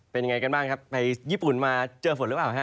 เป็นยังไงกันบ้างครับไปญี่ปุ่นมาเจอฝนหรือเปล่าฮะ